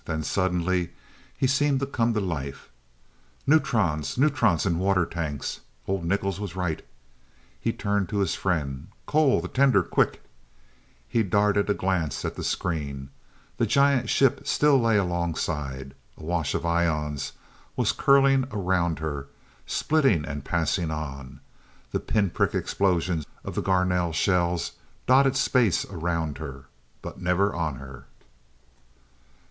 Then suddenly he seemed to come to life. "Neutrons! Neutrons and water tanks! Old Nichols was right " He turned to his friend. "Cole the tender quick." He darted a glance at the screen. The giant ship still lay alongside. A wash of ions was curling around her, splitting, and passing on. The pinprick explosions of the Garnell shells dotted space around her but never on her.